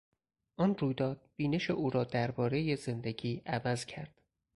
آن رویداد بینش او را دربارهی زندگی عوض کرد.